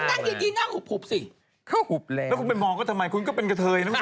ก็นั่งอย่างนี้นั่งหุบสิเขาหุบแล้วแล้วคุณไปมองกันทำไมคุณก็เป็นกะเทยนะ